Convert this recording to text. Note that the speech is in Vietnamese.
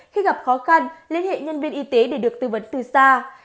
khi gặp khó khăn liên hệ nhân viên y tế để được tư vấn từ xa